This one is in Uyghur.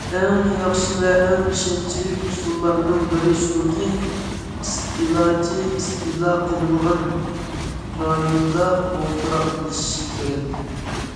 ئەڭ ياخشى ۋە ئەڭ ئىشەنچلىك ئۇسۇللارنىڭ بىرى شۇكى، ئىستېلاچى ئىستېلا قىلىنغان رايوندا ئولتۇراقلىشىشى كېرەك.